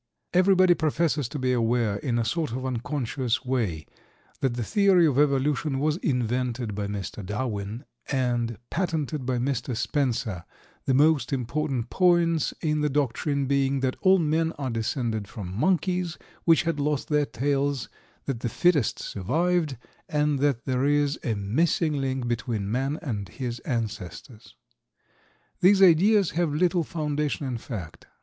Everybody professes to be aware in a sort of unconscious way that the theory of Evolution was invented by Mr. Darwin, and patented by Mr. Spencer, the most important points in the doctrine being that all men are descended from monkeys which had lost their tails, that the fittest survived, and that there is a "missing link" between man and his ancestors. These ideas have little foundation in fact.